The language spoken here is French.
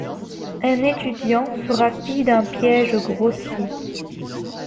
Un étudiant fera fi d'un piège grossier.